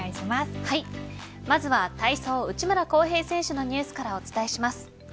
まずは体操、内村航平選手のニュースからお伝えします。